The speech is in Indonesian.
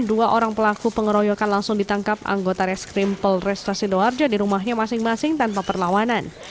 dua orang pelaku pengeroyokan langsung ditangkap anggota reskrim polresta sidoarjo di rumahnya masing masing tanpa perlawanan